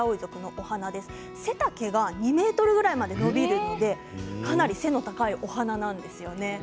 背丈が２ｍくらいまで伸びるのでかなり背の高いお花なんですね。